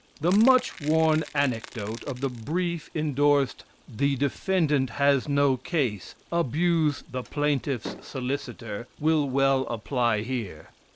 The much worn anecdote of the brief endorsed "The Defendant has no case, abuse the Plaintiffs Solicitor," will well apply here.